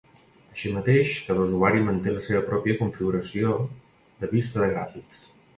Així mateix, cada usuari manté la seva pròpia configuració de vista de gràfics.